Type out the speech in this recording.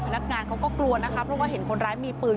พนักงานเขาก็กลัวนะคะเพราะว่าเห็นคนร้ายมีปืน